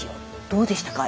どうでしたか？